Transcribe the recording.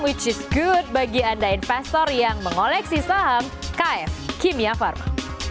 which is good bagi anda investor yang mengoleksi saham kf kimia pharma